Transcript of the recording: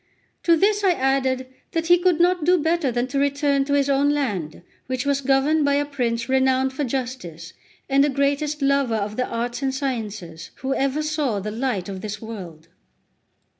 To this I added that he could not do better than to return to his own land, which was governed by a prince renowned for justice, and the greatest lover of the arts and sciences who ever saw the light of this world.